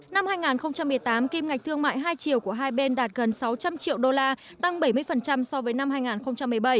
năm hai nghìn một mươi tám kim ngạch thương mại hai triệu của hai bên đạt gần sáu trăm linh triệu đô la tăng bảy mươi so với năm hai nghìn một mươi bảy